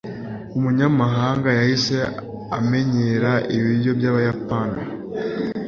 umunyamahanga yahise amenyera ibiryo byabayapani